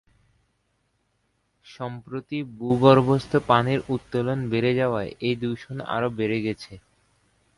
সম্প্রতি ভূগর্ভস্থ পানির উত্তোলন বেড়ে যাওয়ায় এই দূষণ আরো বেড়ে গেছে।